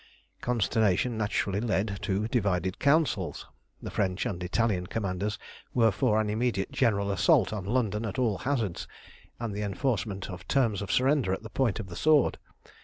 Consternation naturally led to divided councils. The French and Italian commanders were for an immediate general assault on London at all hazards, and the enforcement of terms of surrender at the point of the sword.